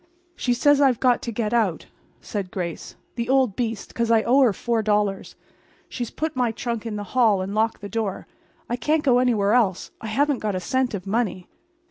"She says I've got to get out," said Grace. "The old beast. Because I owe her $4. She's put my trunk in the hall and locked the door. I can't go anywhere else. I haven't got a cent of money."